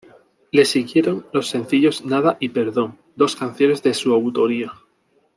Le siguieron los sencillos "Nada" y "Perdón", dos canciones de su autoría.